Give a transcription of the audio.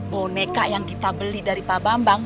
boneka yang kita beli dari pak bambang